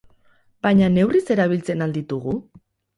Baina neurriz erabiltzen al ditugu?